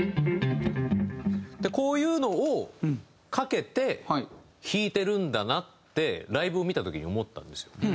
こういうのをかけて弾いてるんだなってライブを見た時に思ったんですよ。